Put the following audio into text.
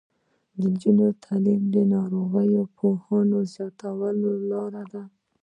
د نجونو تعلیم د ناروغیو پوهاوي زیاتولو لاره ده.